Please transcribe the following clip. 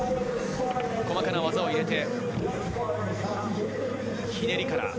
細かな技を入れて、ひねりから、